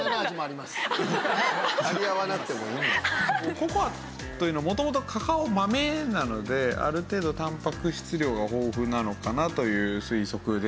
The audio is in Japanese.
ココアというのは元々カカオ豆なのである程度たんぱく質量が豊富なのかなという推測ですね。